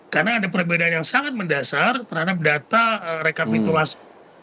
karena ada perbedaan yang sangat mendasar terhadap data rekapitulasi